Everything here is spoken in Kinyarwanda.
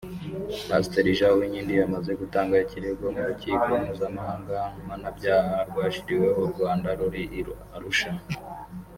Pasteri Jean Uwinkindi yamaze gutanga ikirego mu rukiko mpuzamahanga mpanabyaha rwashyiriweho u Rwanda ruri i Arusha